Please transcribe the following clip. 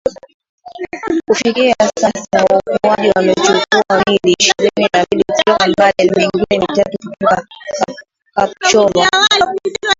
Kufikia sasa waokoaji wamechukua miili ishirini na mbili kutoka Mbale na mingine mitatu kutoka Kapchorwa